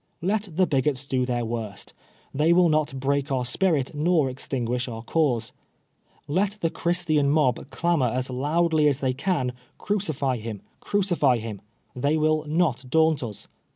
Let the bigots do their worst ; the v will not break our spirit nor extinguish our cause. Let the Christian mob clamor as loudly as they can, * Crucify him, crucify him !' They will not daunt us.